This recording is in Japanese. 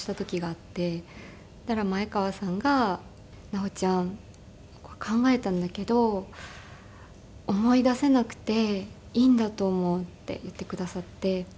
そしたら前川さんが「奈緒ちゃん僕は考えたんだけど思い出せなくていいんだと思う」って言ってくださって。